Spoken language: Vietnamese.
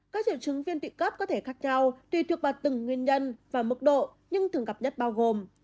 các hiệu chứng viên tụy cấp có thể khác nhau tùy thuộc vào từng nguyên nhân và mức độ nhưng thường gặp nhất bao gồm